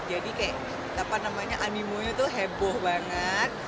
jadi kayak apa namanya animonya tuh heboh banget